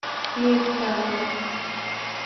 Please, ছাড়ুন।